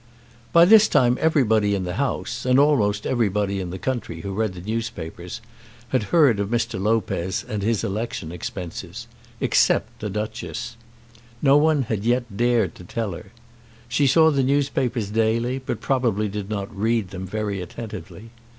By this time everybody in the House, and almost everybody in the country who read the newspapers, had heard of Mr. Lopez and his election expenses, except the Duchess. No one had yet dared to tell her. She saw the newspapers daily, but probably did not read them very attentively.